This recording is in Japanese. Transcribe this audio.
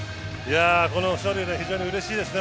この勝利は非常にうれしいですね